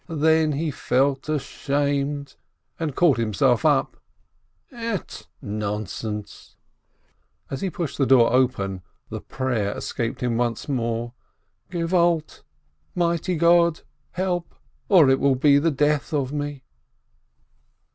Then he felt ashamed, and caught himself up, "Ett, nonsense!" As he pushed the door open, the "prayer" escaped him once more, "Help, mighty God ! or it will be the death of me